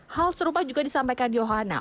hal serupa juga disampaikan johana